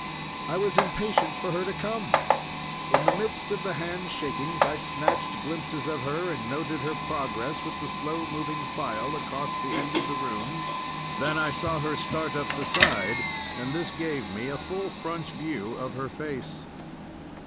I was impatient for her to come. In the midst of the hand shakings I snatched glimpses of her and noted her progress with the slow moving file across the end of the room; then I saw her start up the side, and this gave me a full front view of her face.